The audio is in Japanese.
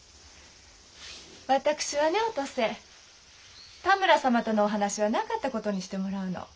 私はねお登勢多村様とのお話はなかったことにしてもらうの。